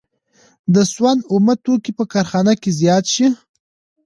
د سون اومه توکي په کارخانه کې زیات شي